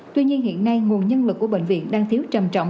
tuy nhiên hiện nay nguồn nhân lực của bệnh viện đang thiếu trầm trọng